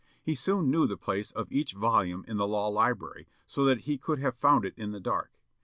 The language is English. He soon knew the place of each volume in the law library, so that he could have found it in the dark.